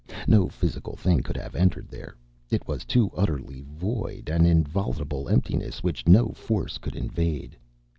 No physical thing could have entered there. It was too utterly void, an inviolable emptiness which no force could invade.